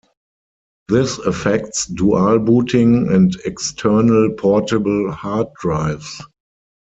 This affects dual-booting, and external portable hard drives.